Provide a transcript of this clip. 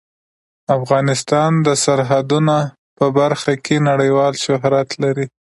افغانستان د سرحدونه په برخه کې نړیوال شهرت لري.